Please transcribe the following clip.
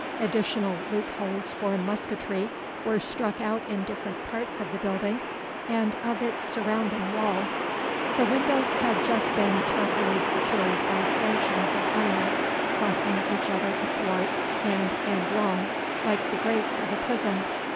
Additional loop holes for musketry were struck out in different parts of the building, and of its surrounding wall. The windows had just been carefully secured by stancheons of iron, crossing each other athwart and end long, like the grates of a prison.